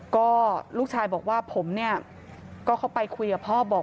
ก็ลูกชายบอกว่าผมเนี่ยก็เข้าไปคุยกับพ่อบอก